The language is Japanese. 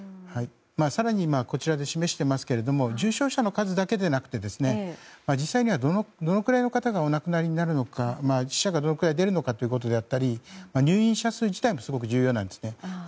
更に、こちらで示していますが重症者の数だけじゃなくて実際には、どのぐらいの方がお亡くなりになるのか死者がどのくらい出るのかということであったり入院者数自体もすごく重要なんですね。